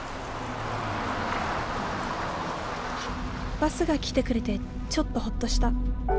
バスが来てくれてちょっとホッとした。